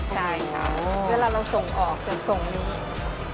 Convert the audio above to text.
ใช่ค่ะเวลาเราส่งออกจะส่งนี้